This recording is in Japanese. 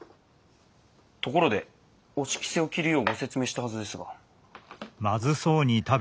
ところでお仕着せを着るようご説明したはずですが？